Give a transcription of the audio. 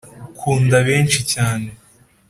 kunda benshi cyane